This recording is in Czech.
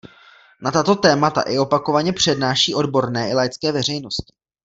Na tato témata i opakovaně přednáší odborné i laické veřejnosti.